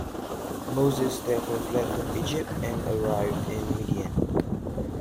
Moses therefore fled from Egypt and arrived in Midian.